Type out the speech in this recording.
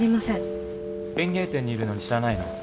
園芸店にいるのに知らないの？